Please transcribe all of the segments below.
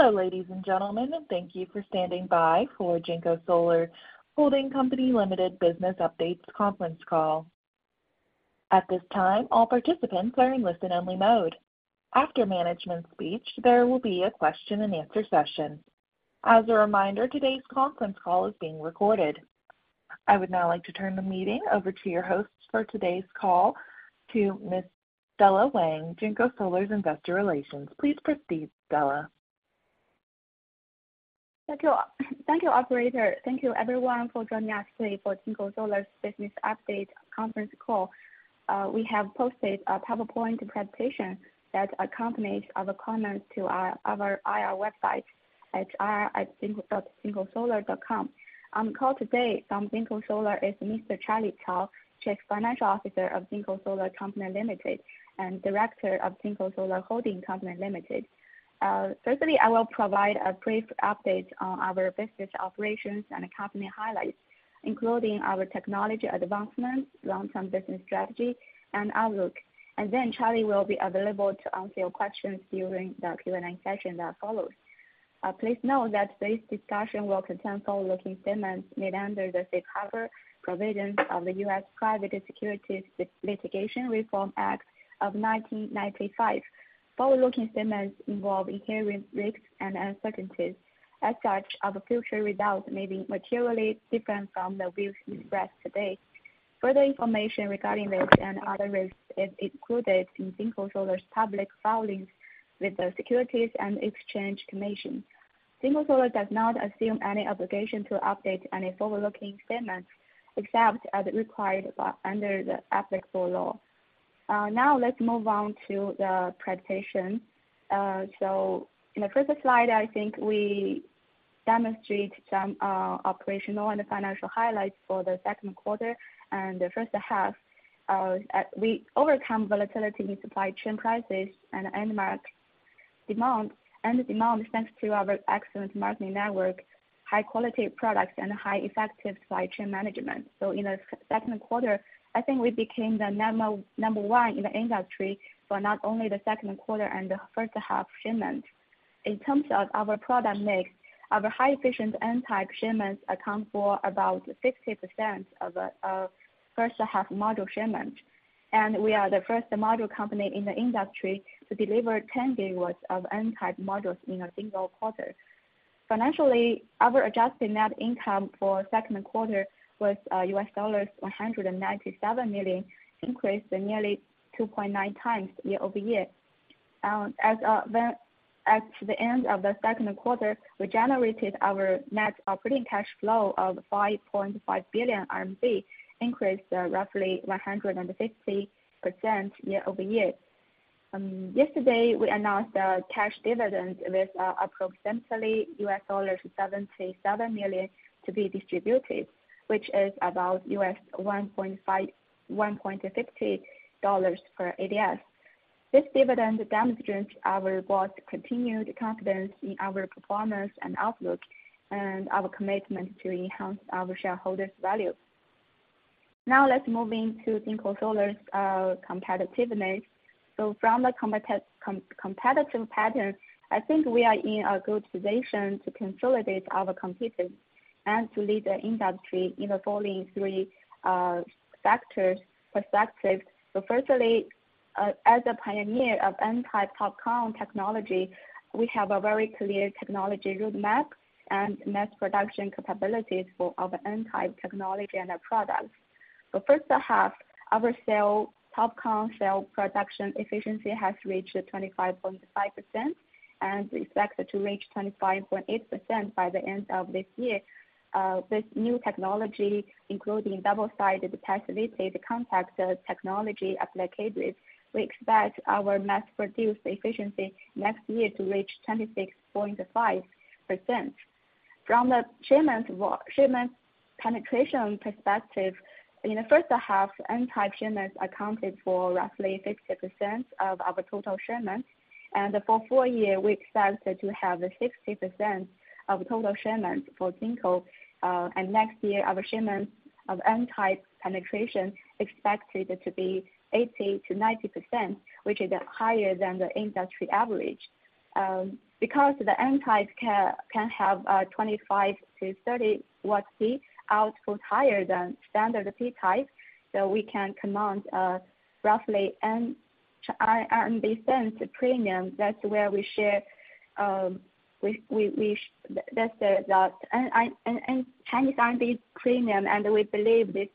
Hello, ladies and gentlemen. Thank you for standing by for JinkoSolar Holding Co., Ltd. Business Updates Conference Call. At this time, all participants are in listen-only mode. After management's speech, there will be a question-and-answer session. As a reminder, today's conference call is being recorded. I would now like to turn the meeting over to your host for today's call, to Ms. Stella Wang, JinkoSolar's Investor Relations. Please proceed, Stella. Thank you. Thank you, operator. Thank you everyone for joining us today for JinkoSolar's Business Update Conference Call. We have posted a PowerPoint presentation that accompanies our comments to our IR website at ir@jinkosolar.com. On the call today from JinkoSolar is Mr. Charlie Cao, Chief Financial Officer of JinkoSolar Company Limited, and Director of JinkoSolar Holding Company Limited. Firstly, I will provide a brief update on our business operations and company highlights, including our technology advancements, long-term business strategy and outlook. Then Charlie will be available to answer your questions during the Q&A session that follows. Please note that today's discussion will contain forward-looking statements made under the safe harbor provisions of the U.S. Private Securities Litigation Reform Act of 1995. Forward-looking statements involve inherent risks and uncertainties. As such, our future results may be materially different from the views expressed today. Further information regarding this and other risks is included in JinkoSolar's public filings with the Securities and Exchange Commission. JinkoSolar does not assume any obligation to update any forward-looking statements, except as required by under the applicable law. Now let's move on to the presentation. So in the first slide, I think we demonstrate some operational and financial highlights for the second quarter and the first half. We overcome volatility in supply chain prices and end market demand, and demand, thanks to our excellent marketing network, high quality products, and high effective supply chain management. So in the second quarter, I think we became the number one in the industry for not only the second quarter and the first half shipments. In terms of our product mix, our high efficient N-type shipments account for about 60% of first half module shipments. We are the first module company in the industry to deliver 10 GW of N-type modules in a single quarter. Financially, our adjusted net income for second quarter was $197 million, increased nearly 2.9x year-over-year. At the end of the second quarter, we generated our net operating cash flow of 5.5 billion RMB, increased roughly 150% year-over-year. Yesterday, we announced a cash dividend with approximately $77 million to be distributed, which is about $1.50 per ADS. This dividend demonstrates our board's continued confidence in our performance and outlook, and our commitment to enhance our shareholders' value. Now, let's move into JinkoSolar's competitiveness. So from the competitive pattern, I think we are in a good position to consolidate our competitive and to lead the industry in the following three factors, perspectives. So firstly, as a pioneer of N-type TOPCon technology, we have a very clear technology roadmap and mass production capabilities for our N-type technology and our products. The first half, our cell, TOPCon cell production efficiency has reached 25.5% and we expect it to reach 25.8% by the end of this year. This new technology, including double-sided passivated contact technology applications, we expect our mass-produced efficiency next year to reach 26.5%. From the shipment penetration perspective, in the first half, N-type shipments accounted for roughly 60% of our total shipments. For full year, we expect it to have 60% of total shipments for Jinko. Next year, our shipments of N-type penetration expected to be 80%-90%, which is higher than the industry average. Because the N-type can have 25-30 watts peak output higher than standard P-type, so we can command roughly RMB cents premium. That's where we share, that's the, the N, N, Chinese RMB premium, and we believe this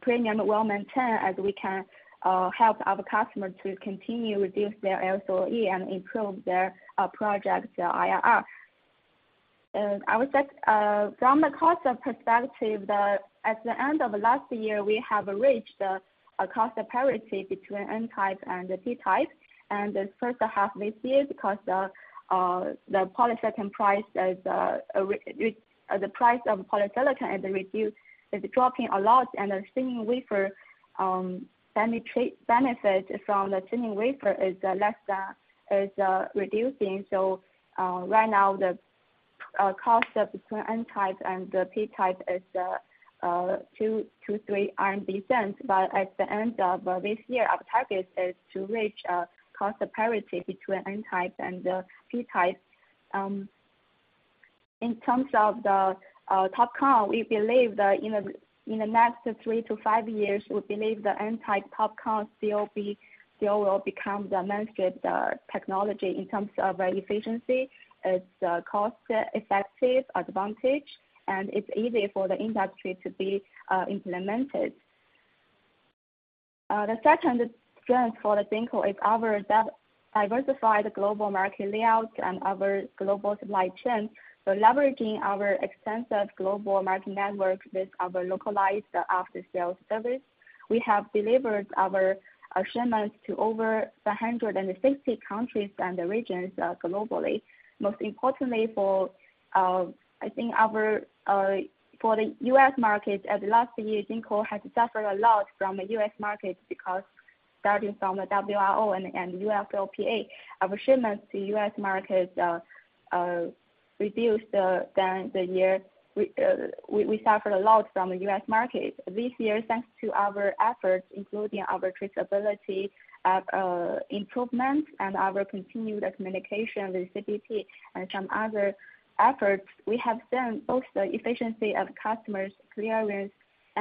premium will maintain as we can help our customers to continue reduce their LCOE and improve their project IRR. I would say from the cost perspective, at the end of last year, we have reached a cost parity between N-type and the P-type. The first half this year, because the polysilicon price is re- the price of polysilicon is reduced, is dropping a lot, and the thinning wafer benefit from the thinning wafer is less than-- is reducing. So, right now, the cost between N-type and the P-type is 0.02-0.03 RMB. But at the end of this year, our target is to reach cost parity between N-type and the P-type. In terms of the TOPCon, we believe that in the next three to five years, we believe the N-type TOPCon still be, still will become the mainstream technology in terms of efficiency. It's cost-effective advantage, and it's easy for the industry to be implemented. The second strength for the Jinko is our diversify the global market layout and our global supply chain. So leveraging our extensive global market network with our localized after-sales service, we have delivered our shipments to over 160 countries and regions globally. Most importantly for, I think our, for the US market, at the last year, Jinko has suffered a lot from the US market because starting from the WRO and UFLPA, our shipments to US market reduced during the year. We suffered a lot from the US market. This year, thanks to our efforts, including our traceability improvement and our continued communication with CBP and some other efforts, we have seen both the efficiency of customs clearance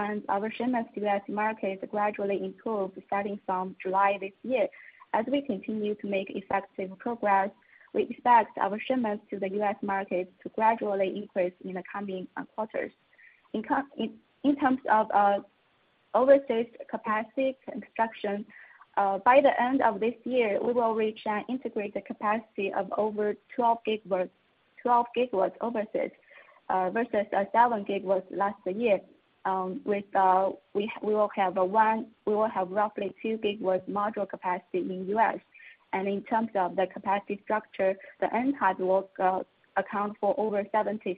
and our shipments to US market gradually improved starting from July this year. As we continue to make effective progress, we expect our shipments to the US market to gradually increase in the coming quarters. In terms of overseas capacity construction, by the end of this year, we will reach and integrate the capacity of over 12 GW, 12 GW overseas, versus 7 GW last year. We will have roughly 2 GW module capacity in U.S. And in terms of the capacity structure, the N-type will account for over 75%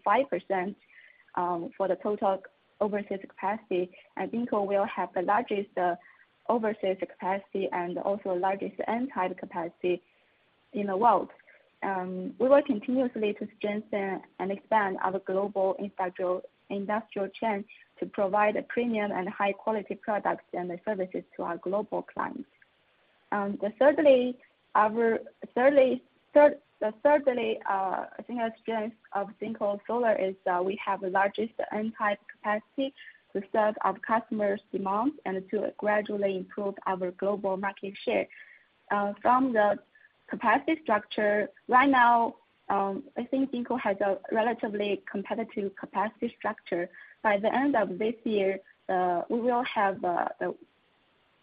for the total overseas capacity, and Jinko will have the largest overseas capacity and also largest N-type capacity in the world. We will continuously to strengthen and expand our global industrial chain to provide a premium and high-quality products and services to our global clients. Thirdly, I think the strength of JinkoSolar is we have the largest N-type capacity to serve our customers' demands and to gradually improve our global market share. From the capacity structure, right now, I think JinkoSolar has a relatively competitive capacity structure. By the end of this year, we will have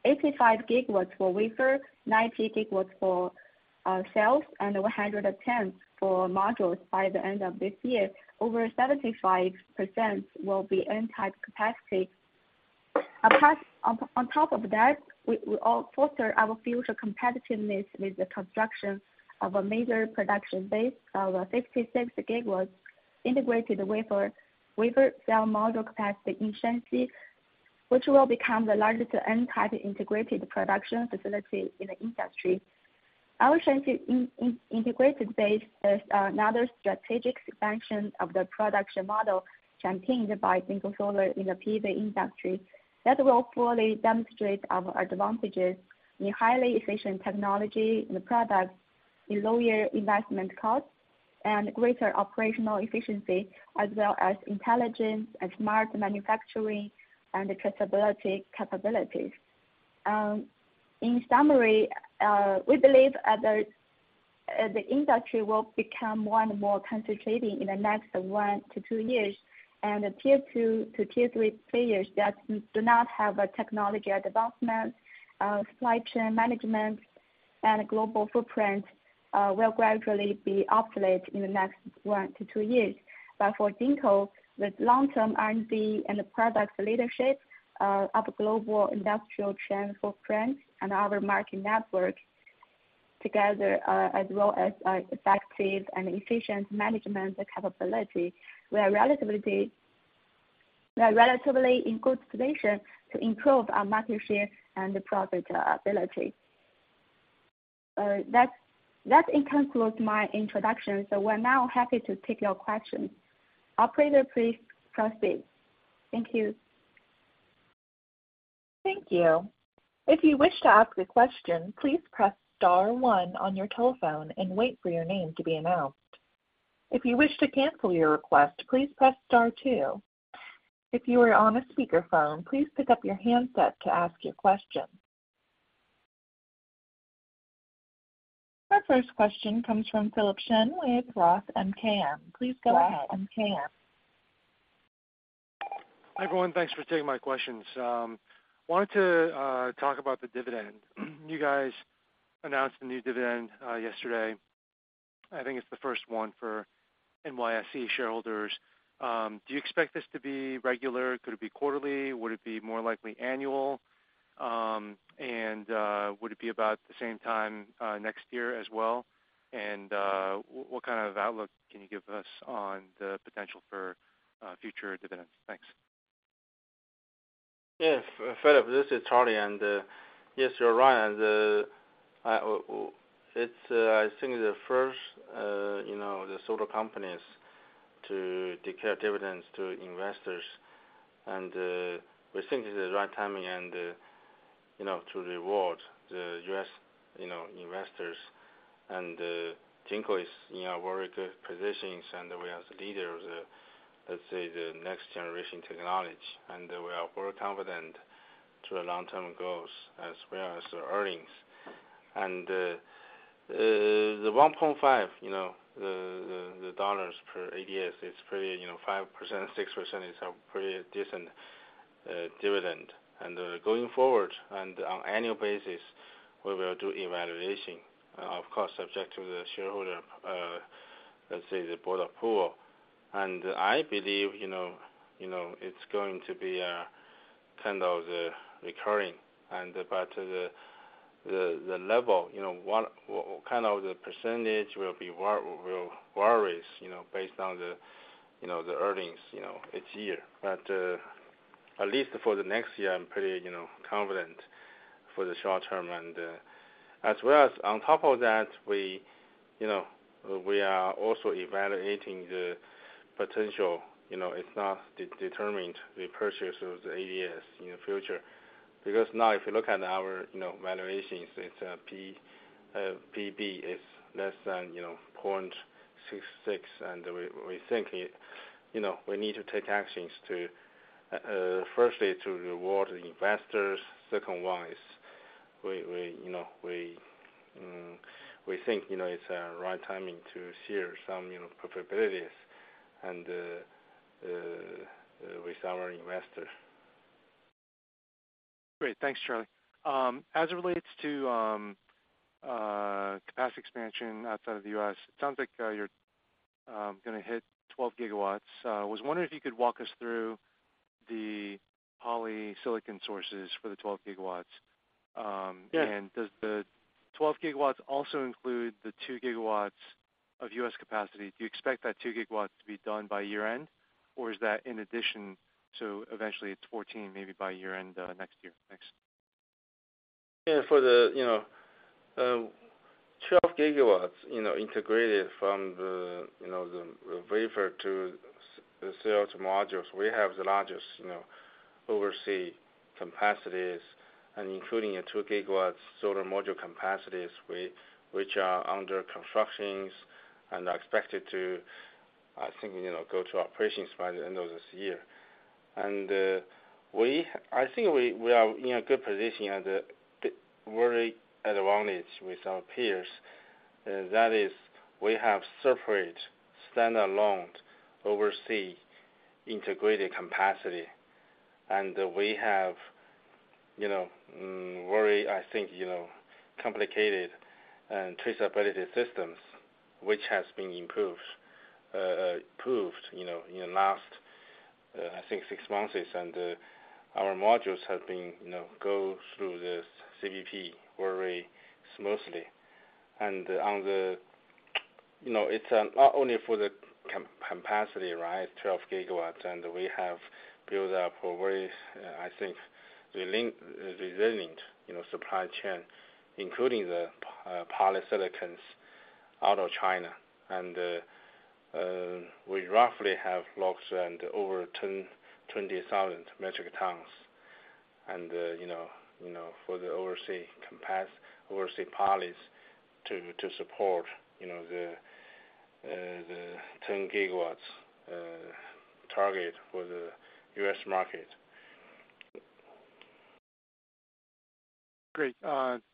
85 GW for wafer, 90 GW for cells, and 110 GW for modules by the end of this year. Over 75% will be N-type capacity. On top of that, we all foster our future competitiveness with the construction of a major production base of 66 GW integrated wafer, cell, module capacity in Shanxi, which will become the largest N-type integrated production facility in the industry. Our Shanxi integrated base is another strategic expansion of the production model championed by JinkoSolar in the PV industry. That will fully demonstrate our advantages in highly efficient technology and products, in lower investment costs, and greater operational efficiency, as well as intelligent and smart manufacturing and traceability capabilities. In summary, we believe the industry will become one more concentrating in the next one to two years, and the tier 2 to tier 3 players that do not have a technology or development, supply chain management, and a global footprint, will gradually be obsolete in the next one to two years. But for Jinko, with long-term R&D and product leadership, our global industrial chain footprint and our market network together, as well as our effective and efficient management capability, we are relatively in good position to improve our market share and profitability. That concludes my introduction. So we're now happy to take your questions. Operator, please proceed. Thank you. Thank you. If you wish to ask a question, please press star one on your telephone and wait for your name to be announced. If you wish to cancel your request, please press star two. If you are on a speakerphone, please pick up your handset to ask your question. Our first question comes from Philip Shen with Roth MKM. Please go ahead. Roth MKM. Hi, everyone. Thanks for taking my questions. Wanted to talk about the dividend. You guys announced a new dividend yesterday. I think it's the first one for NYSE shareholders. Do you expect this to be regular? Could it be quarterly? Would it be more likely annual? And would it be about the same time next year as well? And what kind of outlook can you give us on the potential for future dividends? Thanks.... Yes, Philip, this is Charlie, and yes, you're right. And I think the first, you know, the solar companies to declare dividends to investors, and we think it's the right timing and, you know, to reward the U.S., you know, investors and to increase, you know, very good positions and we as leaders, let's say, the next generation technology, and we are very confident to the long-term goals as well as the earnings. And the $1.5, you know, the dollars per ADS is pretty, you know, 5%, 6% is a pretty decent dividend. And going forward and on annual basis, we will do evaluation, of course, subject to the shareholder, let's say the board approval. I believe, you know, it's going to be kind of recurring, but the level, you know, what kind of percentage will vary, you know, based on the earnings, you know, each year. But at least for the next year, I'm pretty, you know, confident for the short term. And as well as on top of that, we, you know, we are also evaluating the potential, you know, it's not determined the purchase of the ADS in the future. Because now if you look at our, you know, valuations, it's PB is less than 0.66, and we think it, you know, we need to take actions to firstly, to reward the investors. Second one is we think, you know, it's a right timing to share some, you know, profitabilities and with our investors. Great! Thanks, Charlie. As it relates to capacity expansion outside of the U.S., it sounds like you're gonna hit 12 GW. Was wondering if you could walk us through the polysilicon sources for the 12 GW. Yeah. Does the 12 GW also include the 2 GW of U.S. capacity? Do you expect that 2 GW to be done by year-end, or is that in addition, so eventually it's 14, maybe by year-end next year? Thanks. Yeah, for the 12 GW, you know, integrated from the wafer to the cell to modules, we have the largest, you know, overseas capacities and including 2 GW solar module capacities, which are under construction and are expected to, I think, you know, go to operations by the end of this year. And I think we are in a good position and very advantageous with our peers, and that is, we have separate, standalone, overseas integrated capacity. And we have, you know, very complicated traceability systems, which has been improved, you know, in the last six months. And our modules have been, you know, go through this CBP very smoothly. And on the, you know, it's not only for the capacity, right? 12 GW, and we have built up a very, I think, resilient supply chain, including the polysilicon out of China. And, we roughly have locked in over 10-20 thousand metric tons, you know, for the overseas polys to support, you know, the 10 GW target for the US market. Great,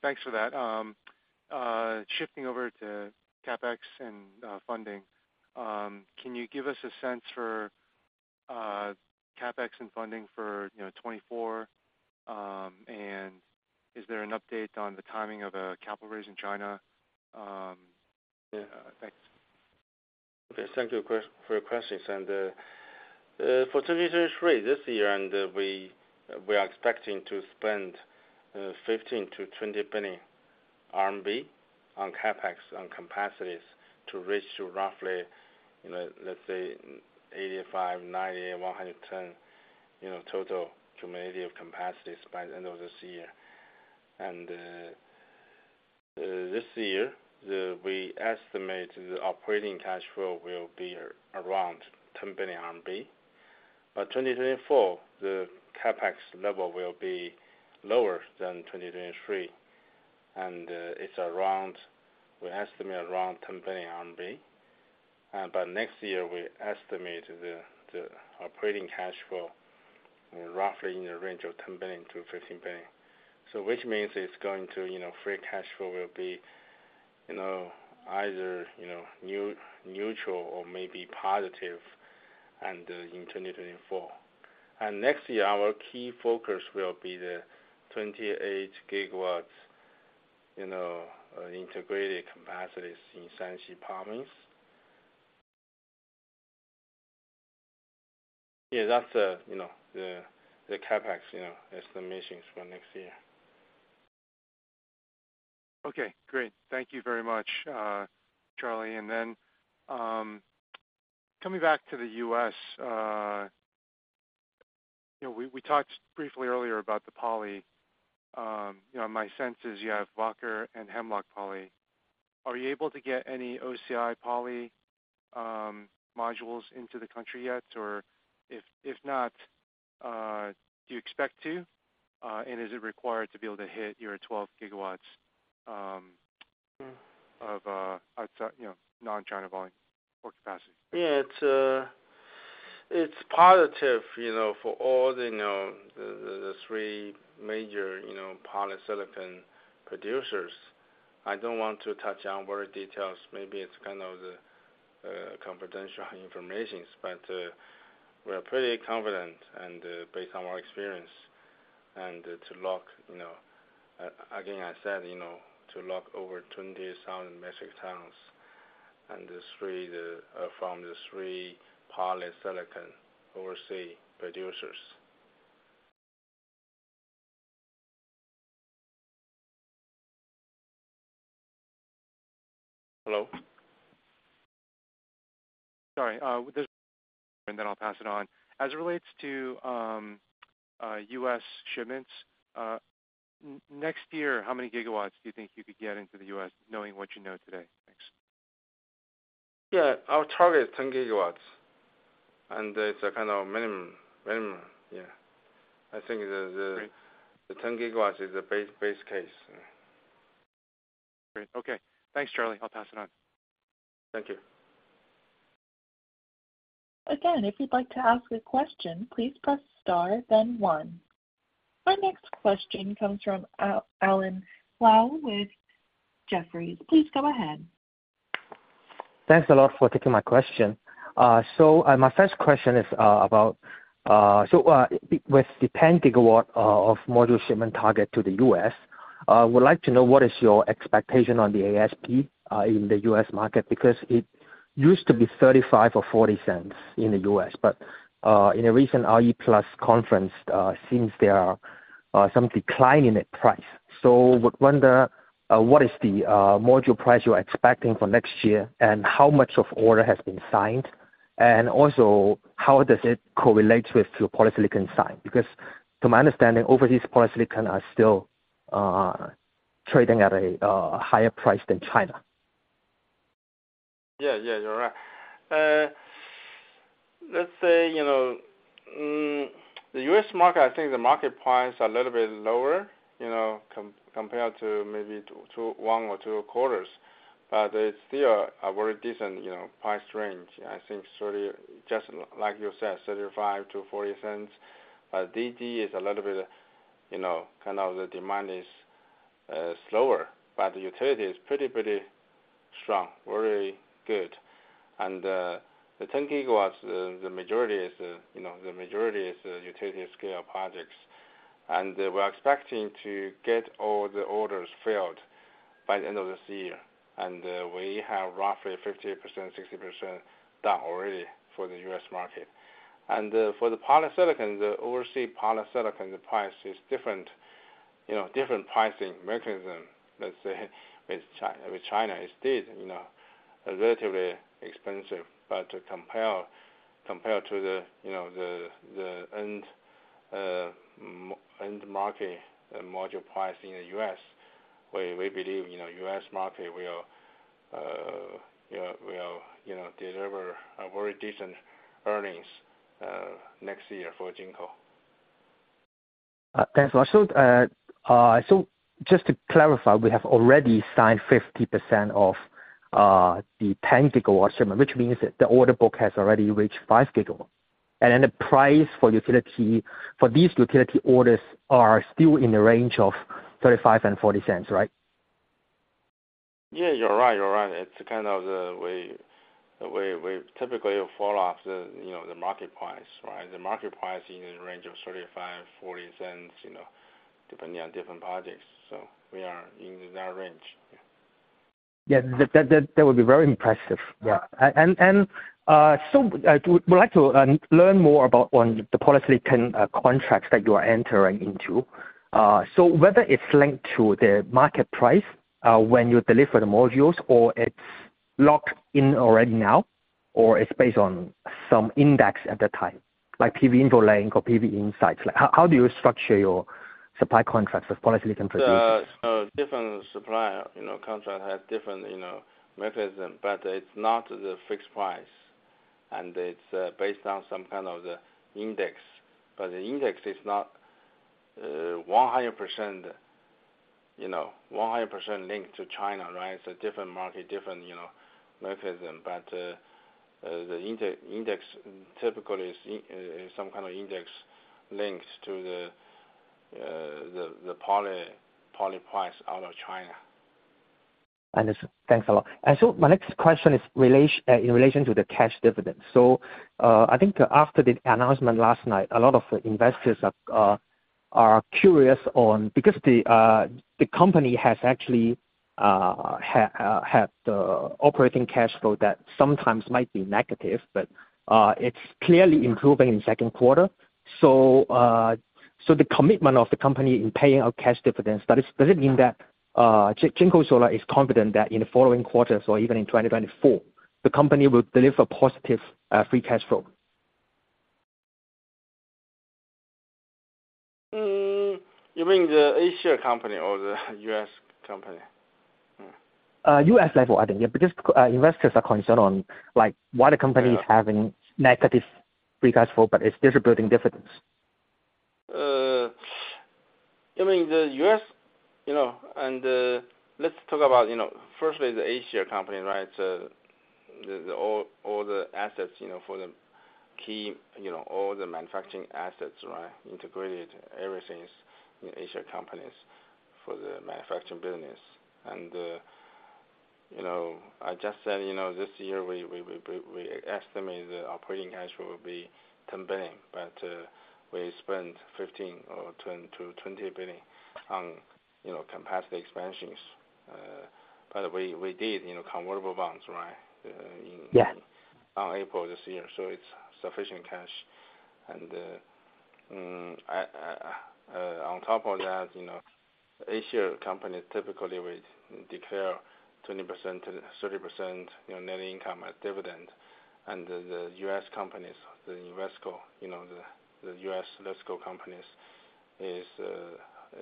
thanks for that. Shifting over to CapEx and funding, can you give us a sense for CapEx and funding for, you know, 2024? And is there an update on the timing of a capital raise in China? Yeah. Thanks. Okay. Thank you for your questions. For 2023, this year, we are expecting to spend 15 billion-20 billion RMB on CapEx, on capacities to reach roughly, you know, let's say 85, 90, 110, you know, total cumulative capacities by the end of this year. This year, we estimate the operating cash flow will be around 10 billion RMB. By 2024, the CapEx level will be lower than 2023, and it's around, we estimate around 10 billion RMB. But next year, we estimate the operating cash flow roughly in the range of 10 billion-15 billion. So which means it's going to, you know, free cash flow will be, you know, either neutral or maybe positive in 2024. Next year, our key focus will be the 28 GW, you know, integrated capacities in Shanxi Province. Yeah, that's the, you know, CapEx, you know, estimations for next year. ...Okay, great. Thank you very much, Charlie. Then, coming back to the U.S., you know, we, we talked briefly earlier about the poly. You know, my sense is you have Wacker and Hemlock poly. Are you able to get any OCI poly, modules into the country yet? Or if, if not, do you expect to, and is it required to be able to hit your 12 GW of outside, you know, non-China volume or capacity? Yeah, it's positive, you know, for all the, you know, the three major, you know, polysilicon producers. I don't want to touch on very details. Maybe it's kind of the confidential information, but we're pretty confident and, based on our experience and to lock, you know, again, I said, you know, to lock over 20,000 metric tons from the three polysilicon overseas producers. Hello? Sorry, with this, and then I'll pass it on. As it relates to, U.S. shipments, next year, how many GW do you think you could get into the U.S., knowing what you know today? Thanks. Yeah, our target is 10 GW, and it's a kind of minimum, yeah. I think the- Great. The 10 GW is a base, base case. Great. Okay. Thanks, Charlie. I'll pass it on. Thank you. Again, if you'd like to ask a question, please press star then one. Our next question comes from Alan Lau with Jefferies. Please go ahead. Thanks a lot for taking my question. So, my first question is about so, with the 10 GW of module shipment target to the U.S., I would like to know what is your expectation on the ASP in the US market? Because it used to be $0.35-$0.40 in the U.S., but in a recent RE+ conference, seems there are some decline in the price. So would wonder what is the module price you're expecting for next year, and how much of order has been signed? And also, how does it correlate with your polysilicon sign? Because to my understanding, overseas polysilicon are still trading at a higher price than China. Yeah. Yeah, you're right. Let's say, you know, the US market, I think the market price are a little bit lower, you know, compared to maybe two, one or two quarters, but it's still a very decent, you know, price range. I think 30, just like you said, $0.35-$0.40. DG is a little bit, you know, kind of the demand is slower, but the utility is pretty, pretty strong, very good. And the 10 GW, the majority is, you know, the majority is utility scale projects, and we're expecting to get all the orders filled by the end of this year. And we have roughly 50%-60% done already for the US market. For the polysilicon, the overseas polysilicon, the price is different, you know, different pricing mechanism, let's say, with China, with China is still, you know, relatively expensive. But to compare, compared to the, you know, the end market module price in the U.S., we, we believe, you know, US market will, you know, will, you know, deliver a very decent earnings next year for Jinko. Thanks a lot. So, just to clarify, we have already signed 50% of the 10 GW shipment, which means that the order book has already reached 5 GW. And then the price for utility, for these utility orders are still in the range of $0.35-$0.40, right? Yeah, you're right, you're right. It's kind of the way, the way we typically fall off the, you know, the market price, right? The market price in the range of $0.35-$0.40, you know, depending on different projects. So we are in that range. Yeah, that would be very impressive. Yeah. So I would like to learn more about one, the polysilicon contracts that you are entering into. So whether it's linked to the market price when you deliver the modules or it's locked in already now, or it's based on some index at that time, like PV InfoLink or PV Insights, like how do you structure your supply contracts with polysilicon producers? So different supplier, you know, contract has different, you know, mechanism, but it's not the fixed price, and it's based on some kind of the index. But the index is not 100%, you know, 100% linked to China, right? It's a different market, different, you know, mechanism, but the index typically is some kind of index linked to the poly price out of China. Understood. Thanks a lot. So my next question is related to the cash dividend. So, I think after the announcement last night, a lot of investors are curious on. Because the company has actually had operating cash flow that sometimes might be negative, but it's clearly improving in second quarter. So, the commitment of the company in paying out cash dividends, does it mean that JinkoSolar is confident that in the following quarters or even in 2024, the company will deliver positive free cash flow? Mm. You mean the A-share company or the US company? U.S. level, I think, yeah, because investors are concerned on, like, why the company- Yeah. is having negative free cash flow, but it's distributing dividends. I mean, the U.S., you know, and let's talk about, you know, firstly, the A-share company, right? So all the assets, you know, for the key, you know, all the manufacturing assets, right, integrated, everything is in A-share companies for the manufacturing business. I just said, you know, this year we estimate the operating cash flow will be 10 billion, but we spent 15 billion-20 billion on, you know, capacity expansions. But we did, you know, convertible bonds, right? In- Yeah. - on April this year, so it's sufficient cash. And, I, I, on top of that, you know, A-share companies typically will declare 20%-30%, you know, net income as dividend. And the, the US companies, the Investco, you know, the, the US Investco companies is,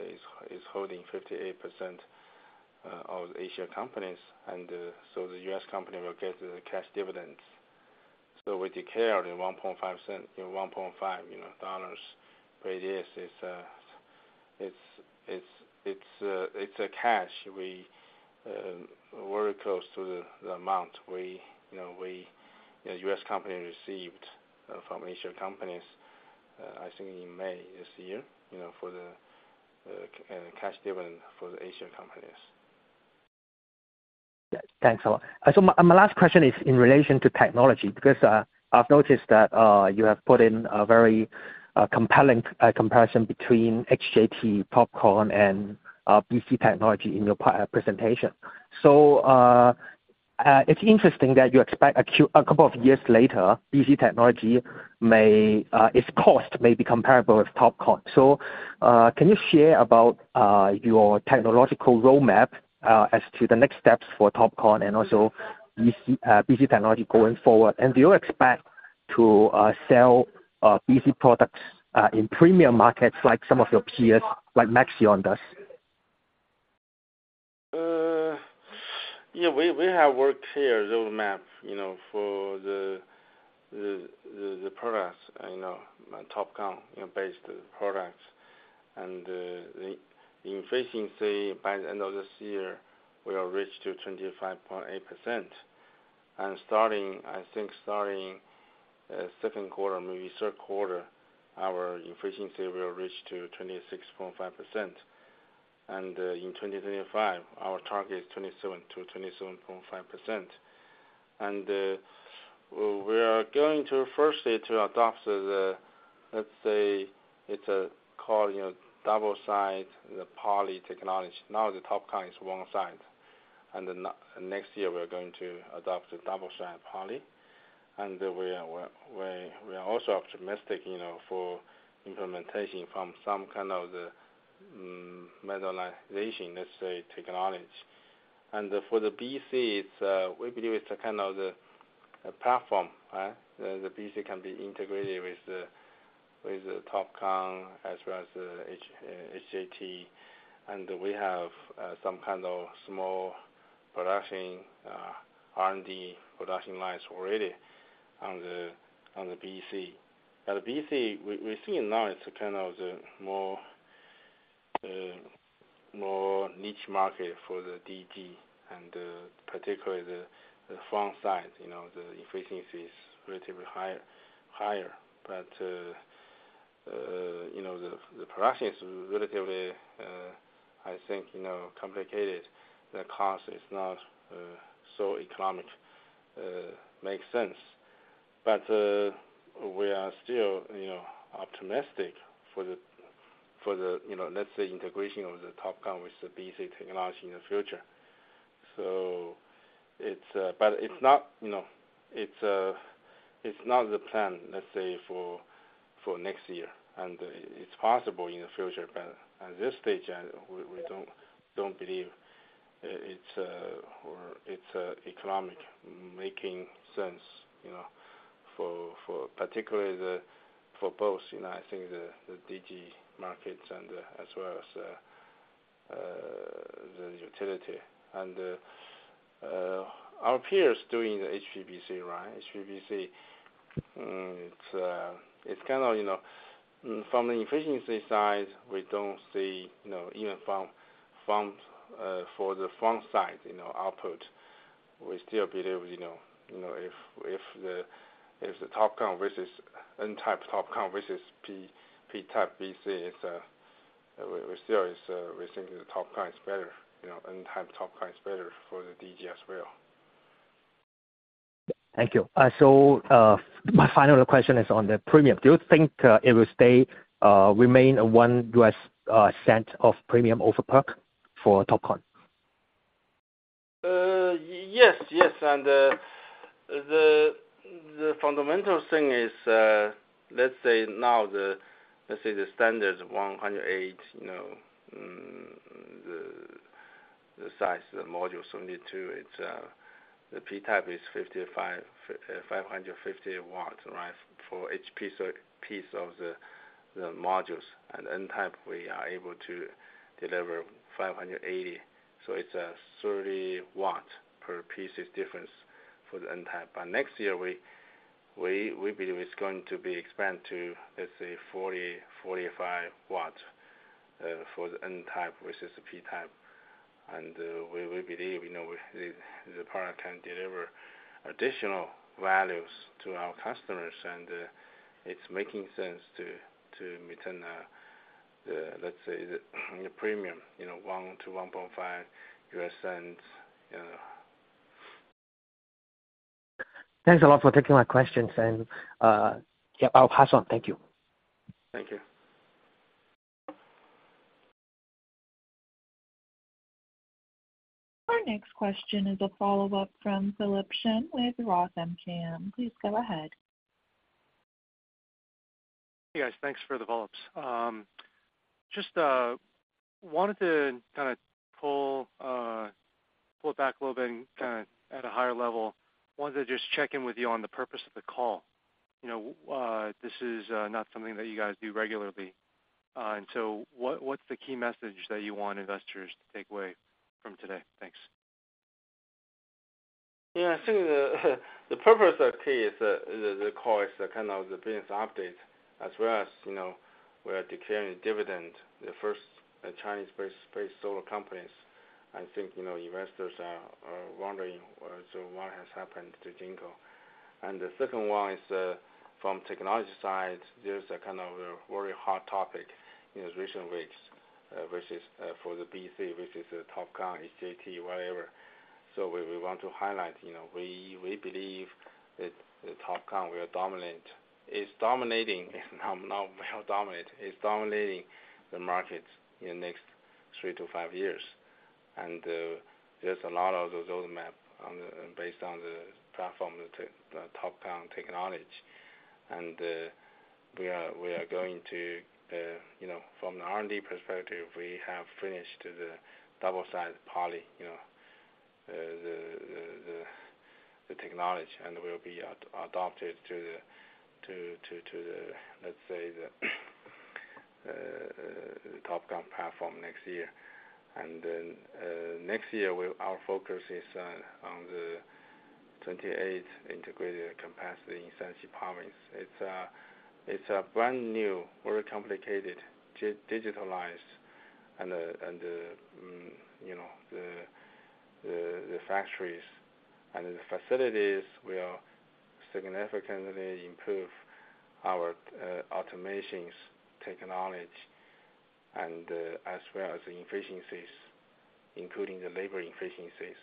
is, is holding 58%, of the A-share companies, and, so the US company will get the cash dividends. So we declared a $0.015, you know, one point five, you know, dollars. But it is, it's, it's, it's, it's a cash. We, were close to the, the amount we, you know, we, the US company received, from A-share companies, I think in May this year, you know, for the, cash dividend for the A-share companies. Yeah. Thanks a lot. So, my last question is in relation to technology, because I've noticed that you have put in a very compelling comparison between HJT, TOPCon, and BC technology in your presentation. So, it's interesting that you expect a couple of years later, BC technology may its cost may be comparable with TOPCon. So, can you share about your technological roadmap as to the next steps for TOPCon and also BC technology going forward? And do you expect to sell BC products in premium markets like some of your peers, like Maxeon does? Yeah, we have worked out a roadmap, you know, for the products, you know, TOPCon-based products. And the efficiency by the end of this year will reach to 25.8%. And starting, I think, starting second quarter, maybe third quarter, our efficiency will reach to 26.5%. And in 2025, our target is 27%-27.5%. And we are going to firstly adopt the, let's say, it's called, you know, double-sided poly technology. Now, the TOPCon is one-sided, and then next year, we're going to adopt a double-sided poly. And we are also optimistic, you know, for implementation from some kind of the metallization, let's say, technology. And for the BC, it's, we believe it's a kind of the, a platform, the BC can be integrated with the, with the TOPCon as well as the HJT, and we have, some kind of small production, R&D production lines already on the, on the BC. But the BC, we, we're seeing now it's kind of the more, more niche market for the DG and, particularly the, the front side, you know, the efficiency is relatively higher, higher. But, you know, the, the production is relatively, I think, you know, complicated. The cost is not, so economic, makes sense. But, we are still, you know, optimistic for the, for the, you know, let's say integration of the TOPCon with the BC technology in the future. So it's... But it's not, you know, it's not the plan, let's say, for next year, and it's possible in the future, but at this stage, we don't believe it's economic making sense, you know, for particularly the, for both, you know, I think the DG markets and as well as the utility. And our peers doing the HPBC, right? HPBC, it's kind of, you know, from the efficiency side, we don't see, you know, even from for the front side, you know, output, we still believe, you know, if the TOPCon versus n-type TOPCon versus p-type BC, it's we still is we think the TOPCon is better, you know, n-type TOPCon is better for the DG as well. Thank you. So, my final question is on the premium. Do you think it will stay, remain a $0.01 premium over PERC for TOPCon?... Yes, yes, and the fundamental thing is, let's say now the standard 108, you know, mm, the size of the module, 72, it's the P-type is 550 watts, right? For each piece of the modules. And N-type, we are able to deliver 580, so it's a 30-watt per piece difference for the N-type. But next year, we believe it's going to be expanded to, let's say, 40-45 watts for the N-type versus the P-type. And we believe, you know, the product can deliver additional values to our customers, and it's making sense to maintain the premium, you know, $0.01-$0.015, you know. Thanks a lot for taking my questions, and, yeah, I'll pass on. Thank you. Thank you. Our next question is a follow-up from Philip Shen with Roth MKM. Please go ahead. Hey, guys, thanks for the follow-ups. Just wanted to kinda pull it back a little bit and kinda at a higher level, wanted to just check in with you on the purpose of the call. You know, this is not something that you guys do regularly. And so what, what's the key message that you want investors to take away from today? Thanks. Yeah, I think the purpose of today is the call is the kind of business update as well as, you know, we are declaring a dividend, the first Chinese-based solar companies. I think, you know, investors are wondering, so what has happened to Jinko? And the second one is, from technology side, there's a kind of a very hot topic in recent weeks, versus for the BC versus the TOPCon, HJT, whatever. So we want to highlight, you know, we believe that the TOPCon will dominant... is dominating, not well dominant, is dominating the market in the next three to five years. And, there's a lot of those roadmap based on the platform, the TOPCon technology. We are going to, you know, from an R&D perspective, we have finished the double-sided poly, you know, the technology and will be adopted to the, let's say, the TOPCon platform next year. Then, next year, our focus is on the 28 integrated capacity in Shanxi Province. It's a brand new, very complicated, digitalized, and, you know, the factories and the facilities will significantly improve our automation technology as well as the efficiencies, including the labor efficiencies.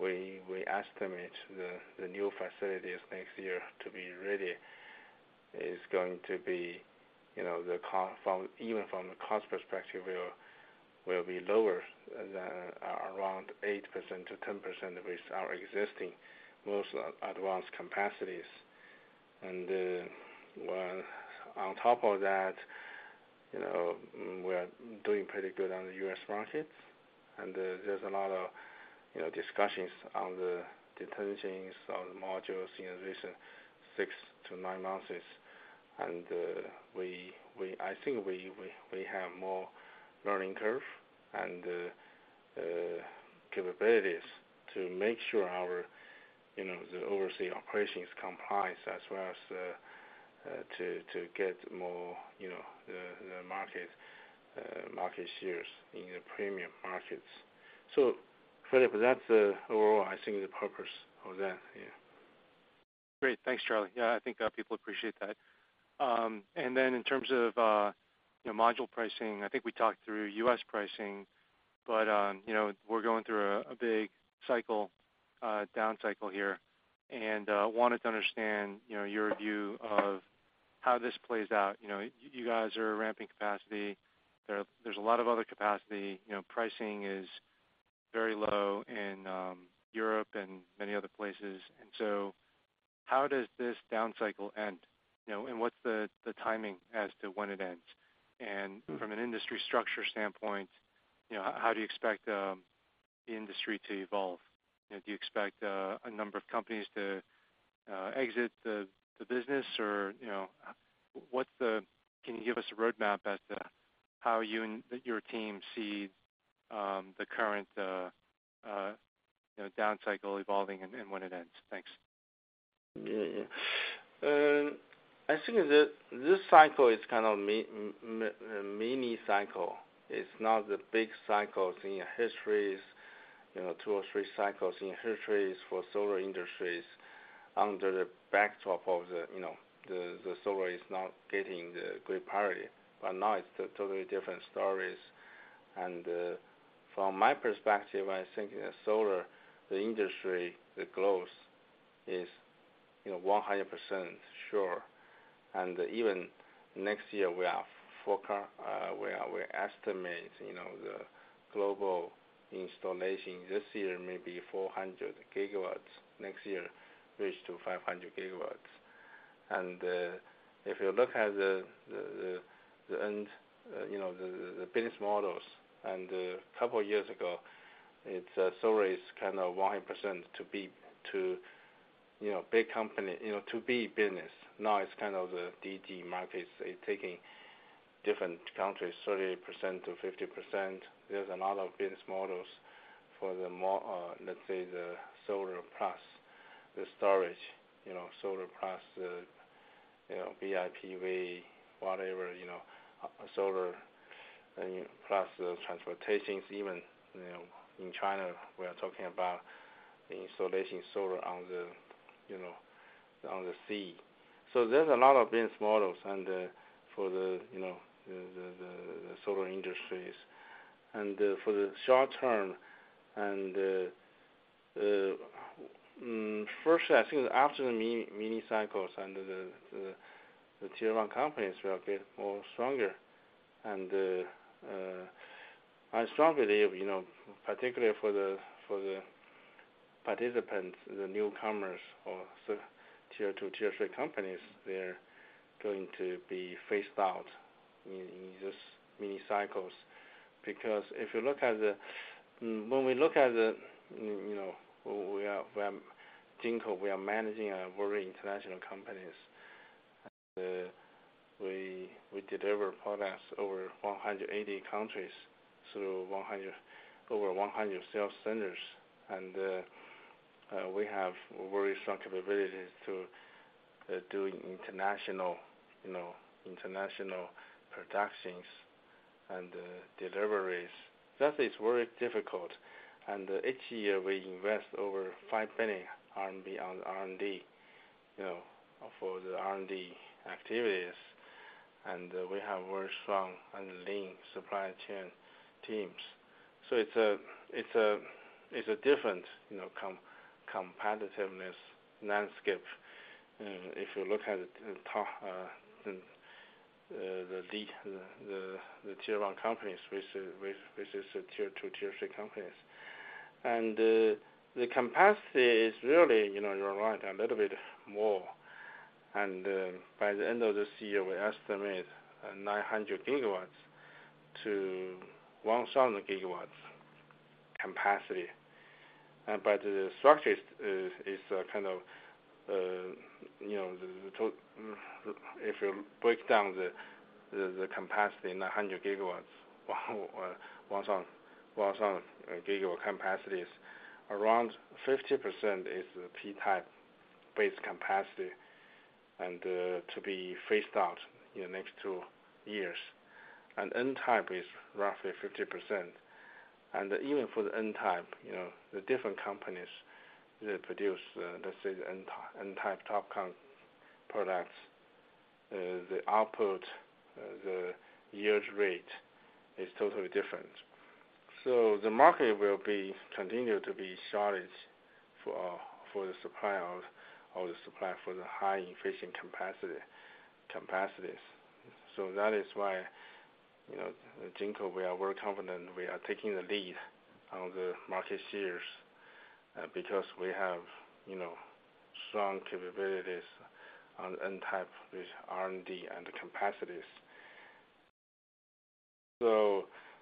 We estimate the new facilities next year to be ready, is going to be, you know, the cost from—even from the cost perspective, will be lower than around 8%-10% with our existing most advanced capacities. Well, on top of that, you know, we are doing pretty good on the US market, and there's a lot of, you know, discussions on the determinations on modules in recent six to nine months. I think we have more learning curve and capabilities to make sure our, you know, the overseas operations complies as well as to get more, you know, the market shares in the premium markets. So Philip, that's the overall, I think, the purpose of that. Yeah. Great. Thanks, Charlie. Yeah, I think people appreciate that. And then in terms of you know, module pricing, I think we talked through U.S. pricing, but you know, we're going through a big cycle down cycle here, and wanted to understand you know, your view of how this plays out. You know, you guys are ramping capacity. There's a lot of other capacity. You know, pricing is very low in Europe and many other places. And so how does this down cycle end? You know, and what's the timing as to when it ends? And from an industry structure standpoint, you know, how do you expect the industry to evolve? You know, do you expect a number of companies to exit the business? Or, you know, what's the... Can you give us a roadmap as to how you and your team see the current, you know, down cycle evolving and when it ends? Thanks. Yeah, yeah. I think the, this cycle is kind of mini cycle. It's not the big cycles in histories, you know, two or three cycles in histories for solar industries under the backdrop of the, you know, the, the solar is not getting the grid parity, but now it's totally different stories. And, from my perspective, I think solar, the industry, the growth is, you know, 100% sure.... And even next year, we forecast, we estimate, you know, the global installation this year may be 400 GW, next year reach to 500 GW. And, if you look at the, the, and, you know, the, the business models, and a couple years ago, it's, solar is kind of 100% to be to, you know, big company, you know, to be business. Now it's kind of the DT markets is taking different countries, 30%-50%. There's a lot of business models for the, let's say the solar plus the storage, you know, solar plus the, you know, BIPV, whatever, you know, solar, and plus the transportations. Even, you know, in China, we are talking about installing solar on the, you know, on the sea. So there's a lot of business models and, for the, you know, the solar industries. And, for the short term and, first, I think after the mini cycles and the Tier-One companies will get more stronger. And, I strongly believe, you know, particularly for the participants, the newcomers or the Tier-Two, Tier-Three companies, they're going to be phased out in this mini cycles. Because if you look at the... When we look at the, you know, we are Jinko, we are managing a very international companies. We deliver products over 180 countries through over 100 sales centers. We have very strong capabilities to doing international, you know, international productions and deliveries. That is very difficult. Each year, we invest over 5 billion RMB on R&D, you know, for the R&D activities. We have very strong and lean supply chain teams. It's a different, you know, competitiveness landscape, if you look at it, the top Tier-One companies versus the Tier-Two, Tier-Three companies. The capacity is really, you know, you're right, a little bit more. By the end of this year, we estimate 900 GW to 1,000 GW capacity. But the structure is kind of, you know, if you break down the capacity, 900 GW, wow, 1,000 GW capacities, around 50% is the P-type based capacity and to be phased out in the next two years. And N-type is roughly 50%. And even for the N-type, you know, the different companies that produce, let's say the N-type TOPCon products, the output, the yield rate is totally different. So the market will be continue to be shortage for the supply of the supply for the high efficient capacities. So that is why, you know, at Jinko, we are very confident we are taking the lead on the market shares, because we have, you know, strong capabilities on N-type with R&D and capacities.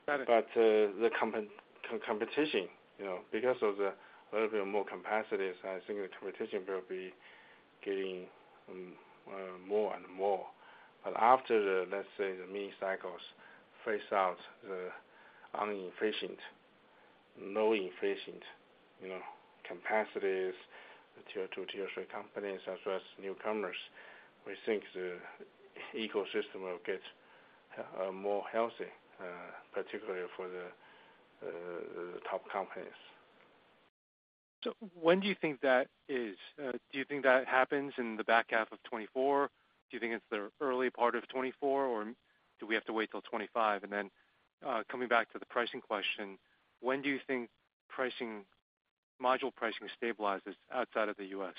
But, the competition, you know, because of the little bit more capacities, I think the competition will be getting more and more. But after the, let's say, the mini cycles phase out the inefficient, low efficient, you know, capacities, the Tier-Two, Tier-Three companies, as well as newcomers, we think the ecosystem will get more healthy, particularly for the top companies. When do you think that is? Do you think that happens in the back half of 2024? Do you think it's the early part of 2024, or do we have to wait till 2025? And then, coming back to the pricing question, when do you think pricing, module pricing stabilizes outside of the U.S.?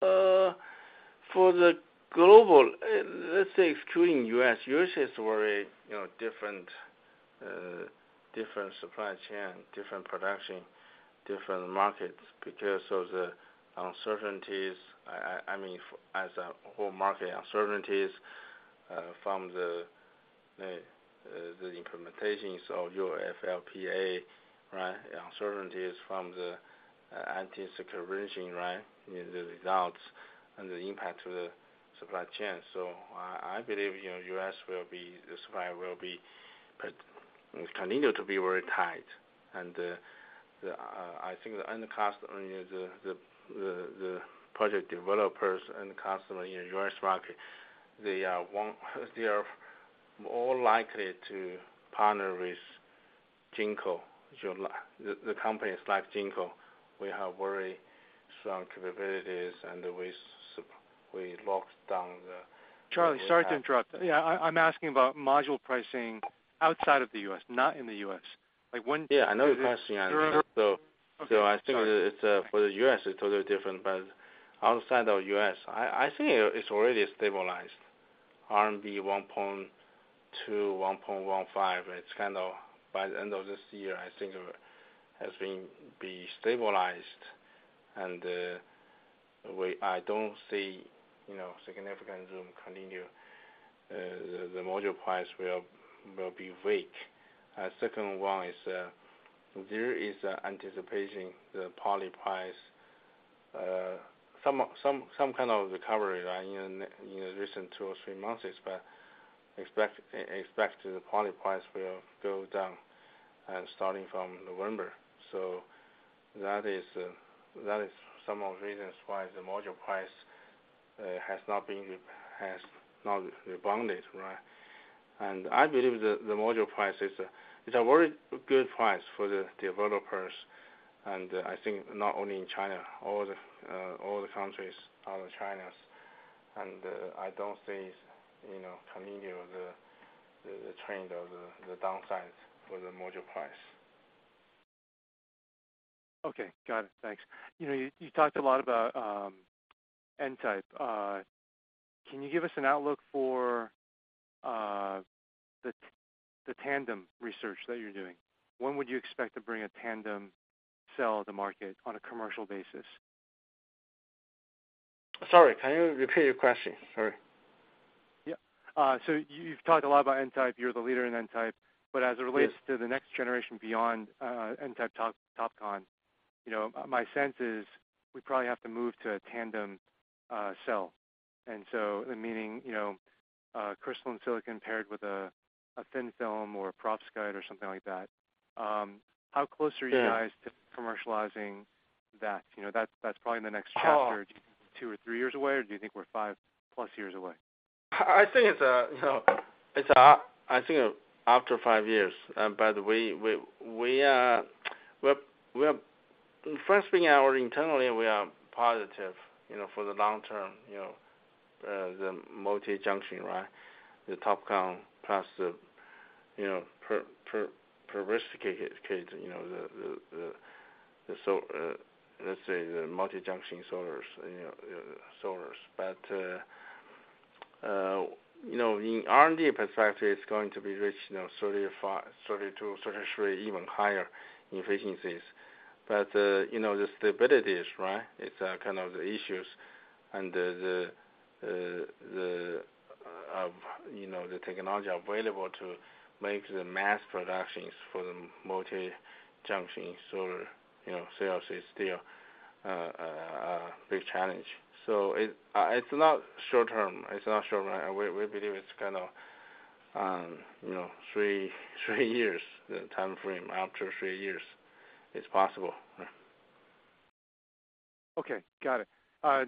For the global, let's say excluding U.S., U.S. is very, you know, different, different supply chain, different production, different markets, because of the uncertainties, I mean, as a whole market uncertainties, from the implementations of your UFLPA, right? Uncertainties from the, anti security regime, right, the results and the impact to the supply chain. So I believe, you know, U.S. will be, the supply will be, continue to be very tight. And, I think the end customer, the project developers and customer in US market, they are more likely to partner with Jinko, the companies like Jinko. We have very strong capabilities, and we locked down the-... Charlie, sorry to interrupt. Yeah, I, I'm asking about module pricing outside of the U.S., not in the U.S. Like, when- Yeah, I know your question. Sure. So, I think- Okay, sorry... it's for the U.S., it's totally different, but outside of U.S., I think it's already stabilized. RMB 1.2, 1.15, it's kind of by the end of this year, I think has been stabilized. And I don't see, you know, significant room continue, the module price will be weak. Second one is there is anticipation the poly price some kind of recovery, right, in the recent two or three months, but expect the poly price will go down starting from November. So that is some of the reasons why the module price has not rebounded, right? I believe the module price is a very good price for the developers, and I think not only in China, all the countries, other Chinas, and I don't see, you know, continue the trend of the downsides for the module price. Okay. Got it. Thanks. You know, you talked a lot about N-type. Can you give us an outlook for the tandem research that you're doing? When would you expect to bring a tandem cell to market on a commercial basis? Sorry, can you repeat your question? Sorry. Yeah. So you've talked a lot about N-type. You're the leader in N-type. Yes. But as it relates to the next generation beyond N-type TOPCon, you know, my sense is we probably have to move to a tandem cell. And so, meaning, you know, crystalline silicon paired with a thin film or a perovskite or something like that. How close are you guys- Yeah... to commercializing that? You know, that's, that's probably in the next chapter. Oh. Do you think two or three years away, or do you think we're five plus years away? I think it's, you know, it's a, I think after five years, but we are, first being out internally, we are positive, you know, for the long term, you know, the multi-junction, right? The TOPCon plus the, you know, perovskite, you know, the, the, so, let's say, the multi-junction solars, you know, solars. But, you know, in R&D perspective, it's going to be rich, you know, 35, 32, 33, even higher efficiencies. But, you know, the stabilities, right? It's kind of the issues and the of, you know, the technology available to make the mass productions for the multi-junction solar, you know, cells is still a big challenge. So it's not short term. It's not short run. We believe it's kind of, you know, three years, the time frame. After three years, it's possible. Okay, got it. I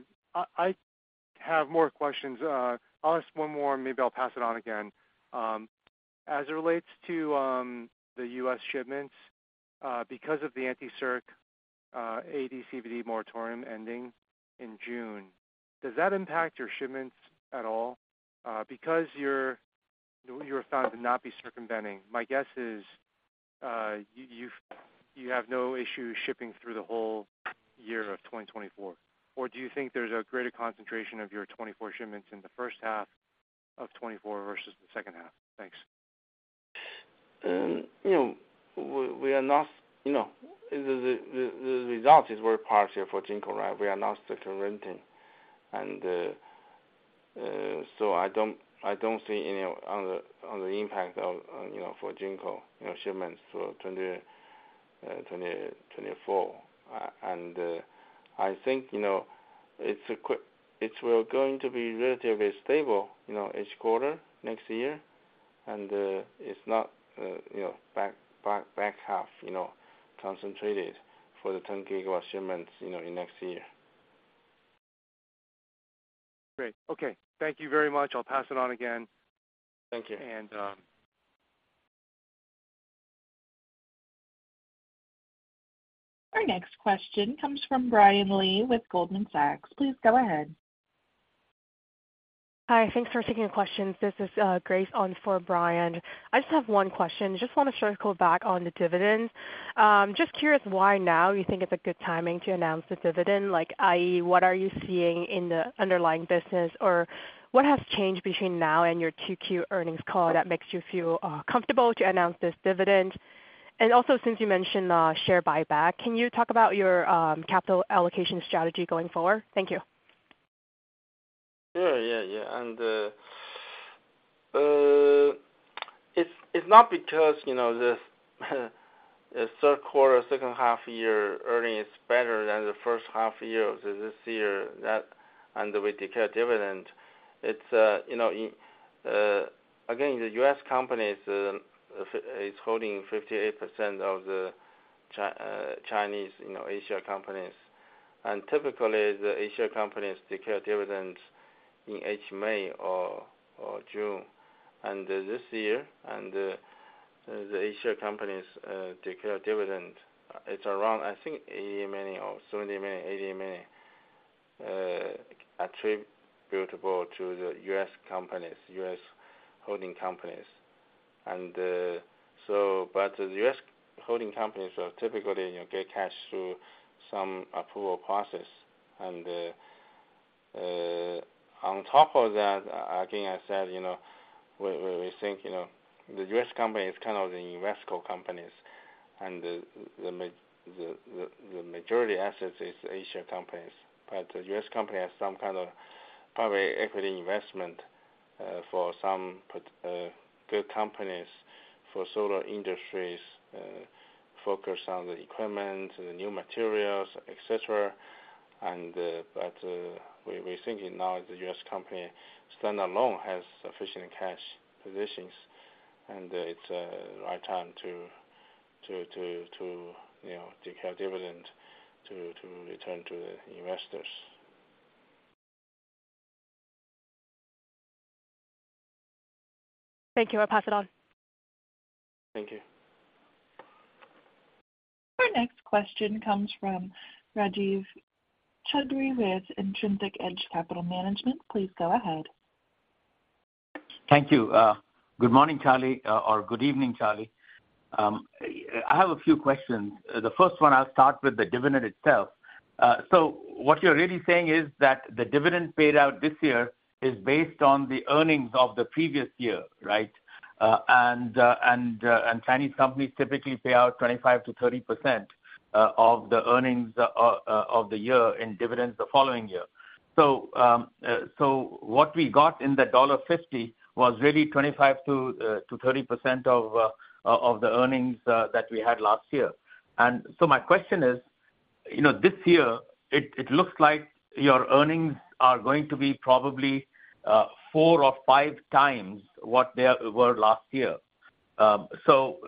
have more questions. I'll ask one more and maybe I'll pass it on again. As it relates to the U.S. shipments, because of the anti-circumvention AD/CVD moratorium ending in June, does that impact your shipments at all? Because you're found to not be circumventing, my guess is, you have no issue shipping through the whole year of 2024. Or do you think there's a greater concentration of your 2024 shipments in the first half of 2024 versus the second half? Thanks. You know, we are not, you know, the result is very positive for Jinko, right? We are not circumventing. And, so I don't see any other impact of, you know, for Jinko, you know, shipments through 2024. And, I think, you know, it will going to be relatively stable, you know, each quarter next year, and, it's not, you know, back half, you know, concentrated for the 10 GW shipments, you know, in next year. Great. Okay. Thank you very much. I'll pass it on again. Thank you. And, um... Our next question comes from Brian Lee with Goldman Sachs. Please go ahead. Hi, thanks for taking the questions. This is Grace on for Brian. I just have one question. Just want to circle back on the dividends. Just curious, why now you think it's a good timing to announce the dividend? Like, i.e., what are you seeing in the underlying business, or what has changed between now and your Q2 earnings call that makes you feel comfortable to announce this dividend? And also, since you mentioned share buyback, can you talk about your capital allocation strategy going forward? Thank you. Yeah. Yeah, yeah, and it's not because, you know, the third quarter, second half year earning is better than the first half year of this year, that, and we declare dividend. It's, you know, in... Again, the US companies is holding 58% of the Chinese, you know, Asia companies. And typically, the Asia companies declare dividends in each May or June. And this year... The Asia companies declare dividend. It's around, I think, $80 million or $70 million, $80 million, attributable to the US companies, U.S. holding companies. And so but the US holding companies are typically, you know, get cash through some approval process. On top of that, again, I said, you know, we think, you know, the US company is kind of the Investco companies, and the majority assets is Asia companies. But the US company has some kind of private equity investment for some pot good companies for solar industries focus on the equipment, the new materials, et cetera. But we're thinking now the US company stand alone has sufficient cash positions, and it's right time to, you know, declare dividend to return to the investors. Thank you. I'll pass it on. Thank you. Our next question comes from Rajiv Chaudhri with Intrinsic Edge Capital Management. Please go ahead. Thank you. Good morning, Charlie, or good evening, Charlie. I have a few questions. The first one, I'll start with the dividend itself. So what you're really saying is that the dividend paid out this year is based on the earnings of the previous year, right? And Chinese companies typically pay out 25%-30% of the earnings of the year in dividends the following year. So, so what we got in the $1.50 was really 25%-30% of the earnings that we had last year. And so my question is, you know, this year it looks like your earnings are going to be probably four or 5x what they were last year. So,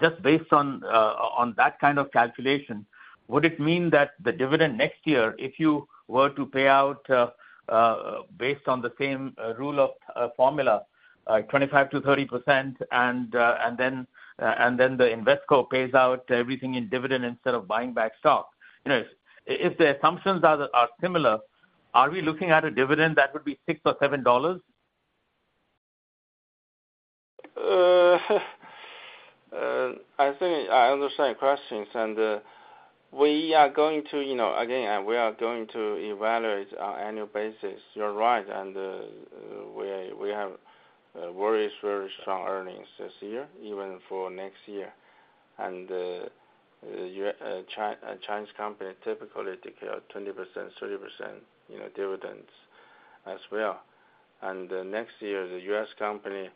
just based on that kind of calculation, would it mean that the dividend next year, if you were to pay out, based on the same rule of formula, 25%-30%, and then the Investco pays out everything in dividend instead of buying back stock, you know, if the assumptions are similar, are we looking at a dividend that would be $6 or $7? I think I understand your questions, and, we are going to, you know, again, we are going to evaluate our annual basis. You're right, and, we, we have, very, very strong earnings this year, even for next year. And, U.S. Chinese company typically declare 20%, 30%, you know, dividends as well. And next year, the US company